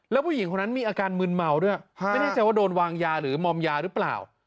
แล้วผู้หญิงคนนั้นมีอาการมืนเมาด้วยไม่แน่ใจว่าโดนวางยาหรือมอมยาหรือเปล่า